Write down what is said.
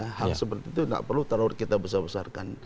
hal seperti itu tidak perlu terlalu kita besar besarkan